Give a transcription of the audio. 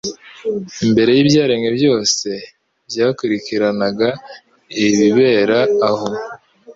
Imbere y'ibyaremwe byose byakurikiranaga ibibera aho,